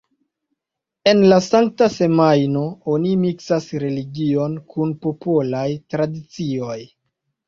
En la Sankta Semajno oni miksas religion kun popolaj tradicioj.